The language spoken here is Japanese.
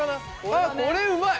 あっこれうまい！